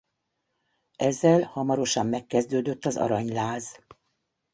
Ezzel hamarosan megkezdődött az aranyláz.